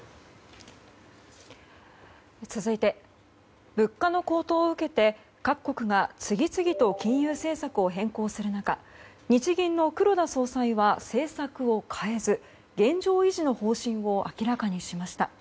続いて物価の高騰を受けて各国が次々と金融政策を変更する中日銀の黒田総裁は政策を変えず現状維持の方針を明らかにしました。